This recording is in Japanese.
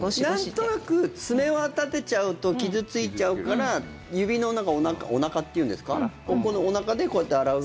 なんとなく爪は立てちゃうと傷付いちゃうから指のおなかっていうんですかここのおなかでこうやって洗う。